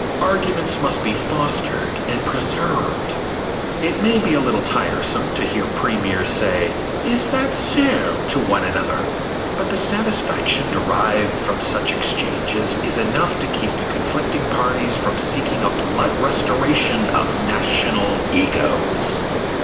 Arguments must be fostered and preserved. It may be a little tiresome to hear premiers saying, "Is that so?" to one another, but the satisfaction derived from such exchanges is enough to keep the conflicting parties from seeking a blood restoration of national egos.